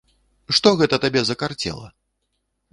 Што гэта табе закарцела?